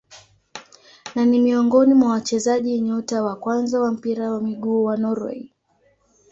Na ni miongoni mwa wachezaji nyota wa kwanza wa mpira wa miguu wa Norway.